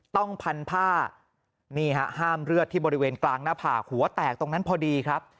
ต้องพันผ้านี่ฮะห้ามเลือดที่บริเวณกลางหน้าผากหัวแตกตรงนั้นพอดีครับ